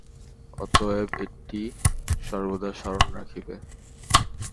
অতএব এইটি সর্বদা স্মরণ রাখিবে।